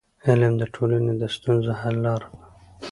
علم د ټولنې د ستونزو حل ته لار ده.